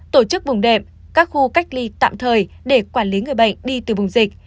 tổ chức vùng đệm các khu cách ly tạm thời để quản lý người bệnh đi từ vùng dịch